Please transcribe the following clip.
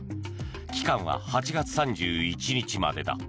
期間は８月３１日までだ。